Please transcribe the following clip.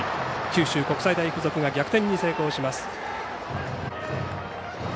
九州国際大付属が逆転に成功します。